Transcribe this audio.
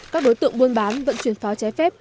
các đối tượng buôn bán vận chuyển pháo trái phép